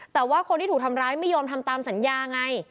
แต่ว่าคนที่ถูกทำร้ายไม่ยอมทำตามสัญญาไง